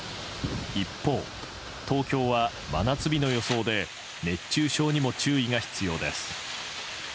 一方、東京は真夏日の予想で熱中症にも注意が必要です。